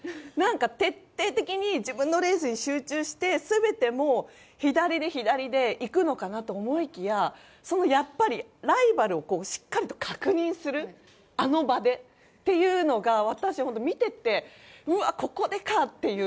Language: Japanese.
徹底的に自分のレースに集中して全て左で、左でいくのかなと思いきやライバルをしっかり確認するあの場でというのが私は見ていてうわ、ここでか！っていう。